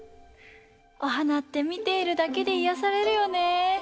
おはなってみているだけでいやされるよね。